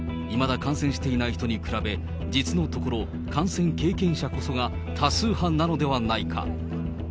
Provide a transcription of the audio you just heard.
感染していない人に比べ、実のところ、感染経験者こそが多数派なのではないか。